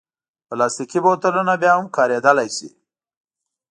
پلاستيکي بوتلونه بیا هم کارېدلی شي.